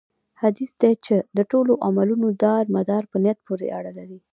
حديث دی چې: د ټولو عملونو دار مدار په نيت پوري اړه لري